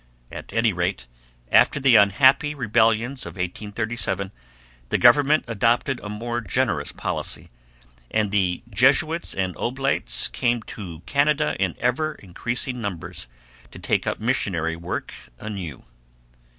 At any rate, after the unhappy rebellions of 1837 the government adopted a more generous policy; and the Jesuits and the Oblates came to Canada in ever increasing numbers to take up missionary work anew.